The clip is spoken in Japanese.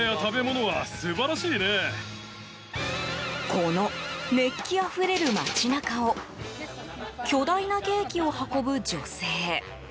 この、熱気あふれる街中を巨大なケーキを運ぶ女性。